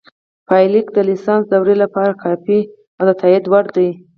پایلیک د لیسانس دورې لپاره کافي او د تائید وړ دی